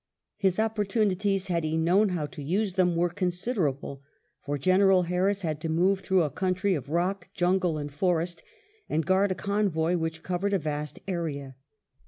His opportunities, had he known how to use them, were considerable ; for General Harris had to move through a country of rock, jungle, and forest, and guard a convoy which covered a vast area.